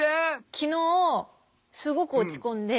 昨日すごく落ち込んで。